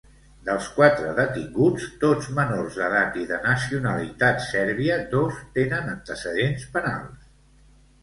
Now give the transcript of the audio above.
Dels quatre detinguts, tots menors d'edat i de nacionalitat sèrbia, dos tenen antecedents penals.